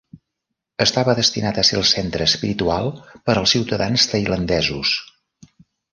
Estava destinat a ser el centre espiritual per als ciutadans tailandesos.